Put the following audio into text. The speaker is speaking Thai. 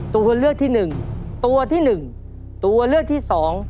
ตัวเลือกที่หนึ่ง